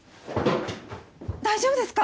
大丈夫ですか？